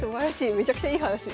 めちゃくちゃいい話ですね。